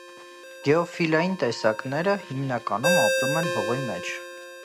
Գեոֆիլային տեսակները հիմնականում ապրում են հողի մեջ։